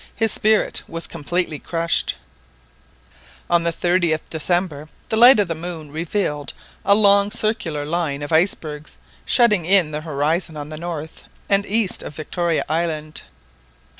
His spirit was completely crushed. On the 30th December the light of the moon revealed a long circular line of icebergs shutting in the horizon on the north and east of Victoria Island.